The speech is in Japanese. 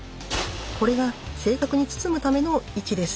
これが正確に包むための「位置」です。